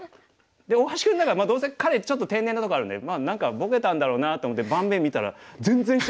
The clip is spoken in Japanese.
で大橋君ならまあどうせ彼ちょっと天然なところあるんでまあ何かボケたんだろうなと思って盤面見たら全然知らない碁で。